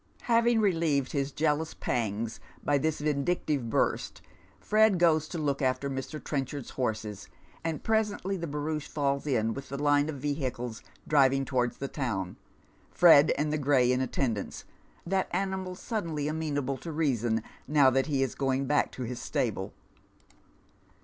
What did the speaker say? Having relieved his jealous pangs by this vindictive burst, Fred goes to look after Mr. Trenchard's horses, and presently the barouche falls in with the line of vehicles driving towards tlie town, Fred and the gray in attendance, that animal suddenly amenable to reason now that he is going back to his stable.